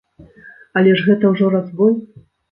Але ж гэта ўжо разбой!